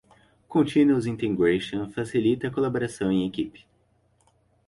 Continuous Integration facilita a colaboração em equipe.